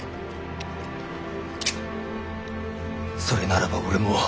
それならば俺も。